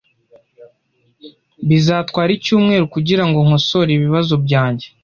Bizatwara icyumweru kugirango nkosore ibibazo byanjye.